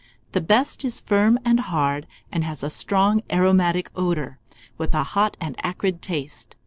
The best is firm and hard, and has a strong aromatic odour, with a hot and acrid taste.